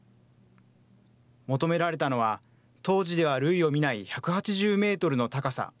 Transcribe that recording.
求められたのは当時では類を見ない１８０メートルの高さ。